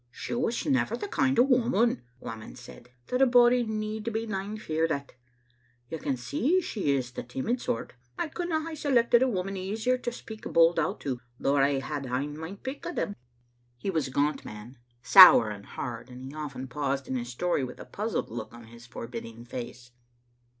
"She was never the kind o* woman," Whamond said, " that a body need be nane feared at. You can see she is o' the timid sort. I couldna hae selected a woman easier to speak bold out to, though I had ha'en my pick o'them." He was a gaunt man, sour and hard, and he often paused in his story with a puzzled look on his forbid ding face.